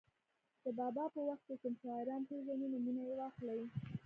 د بابا په وخت کې کوم شاعران پېژنئ نومونه یې واخلئ.